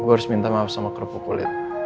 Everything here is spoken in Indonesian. gue harus minta maaf sama kerupuk kulit